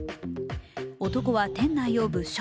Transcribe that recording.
男は店内を物色。